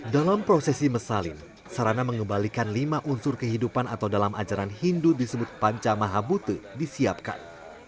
dalam prosesi mesalin sarana mengembalikan lima unsur kehidupan atau dalam ajaran hindu disebut panca maha bute disiapkan